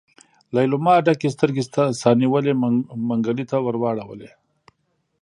ليلما ډکې سترګې سا نيولي منګلي ته واړولې.